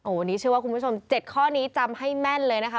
วันนี้เชื่อว่าคุณผู้ชม๗ข้อนี้จำให้แม่นเลยนะคะ